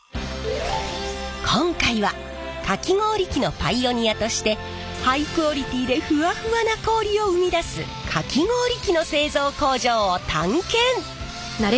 今回はかき氷機のパイオニアとしてハイクオリティーでふわふわな氷を生み出すかき氷機の製造工場を探検！